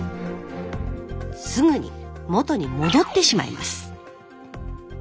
すぐに元に戻ってしまいます。